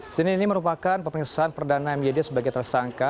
sini merupakan pemirsaan perdana myd sebagai tersangka